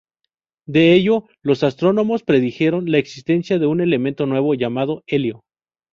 De ello, los astrónomos predijeron la existencia de un elemento nuevo, llamado helio.